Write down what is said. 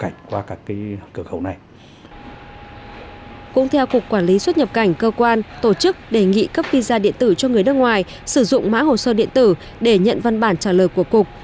cũng theo cục quản lý xuất nhập cảnh cơ quan tổ chức đề nghị cấp visa điện tử cho người nước ngoài sử dụng mã hồ sơ điện tử để nhận văn bản trả lời của cục